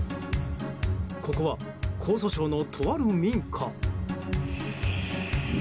ここは江蘇省の、とある民家。